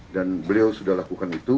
dan beliau sudah lakukan itu